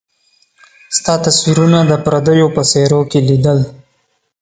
ستا تصويرونه د پرديو په څيرو کي ليدل